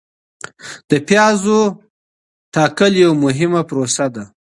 د پیازو ټاکل یوه مهمه پروسه ده.